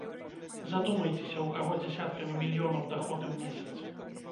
Задумайцеся, у каго дзясяткамі мільёнаў даходы ў месяц.